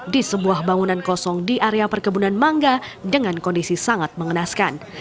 di sebuah bangunan kosong di area perkebunan mangga dengan kondisi sangat mengenaskan